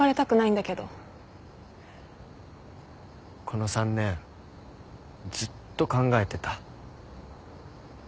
この３年ずっと考えてた。